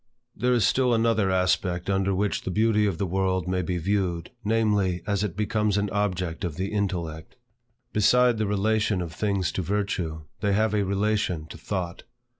There is still another aspect under which the beauty of the world may be viewed, namely, as it becomes an object of the intellect. Beside the relation of things to virtue, they have a relation to thought.